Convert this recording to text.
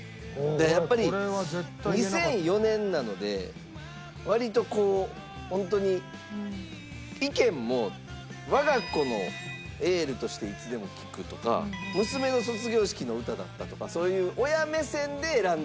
やっぱり２００４年なので割とこうホントに意見も我が子のエールとしていつでも聴くとか娘の卒業式の歌だったとかそういう親目線で選んでる方が。